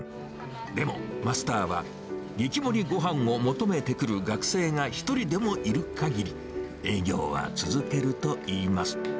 でも、マスターは激盛りごはんを求めてくる学生が一人でもいるかぎり、営業は続けるといいます。